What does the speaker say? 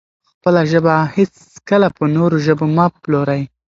خپله ژبه هېڅکله په نورو ژبو مه پلورئ.